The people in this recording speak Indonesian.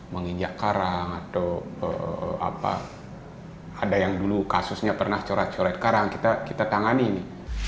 menghidap karang atau ada yang dulu kasusnya pernah corak corak karang kita tangani